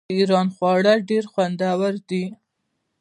د ایران خواړه ډیر خوندور دي.